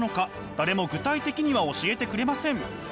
誰も具体的には教えてくれません。